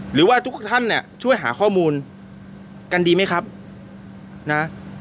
หรือว่าทุกท่านเนี่ยช่วยหาข้อมูลกันดีไหมครับนะ